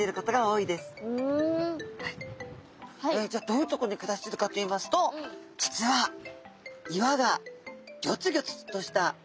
どういうところに暮らしているかといいますと実は岩がギョツギョツとした岩場。